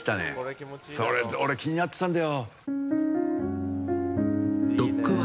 俺、気になってたんだよ。